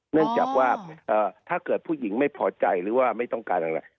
เนื่องจากว่าถ้าเกิดผู้หญิงไม่พอใจหรือว่าไม่ต้องการอะไร